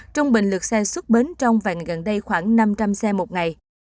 trong bình lượt xe xuất bến trong vàng gần đây khoảng năm trăm linh xe một ngày